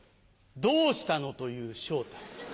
「どうしたの？」と言う昇太。